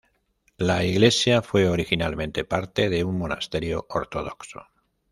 La iglesia fue originalmente parte de un monasterio ortodoxo.